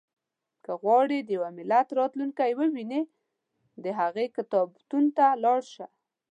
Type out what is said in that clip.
• که غواړې د یو ملت راتلونکی ووینې، د هغوی کتابتون ته لاړ شه.